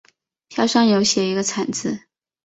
票上有写一个惨字